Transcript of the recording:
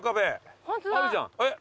えっ？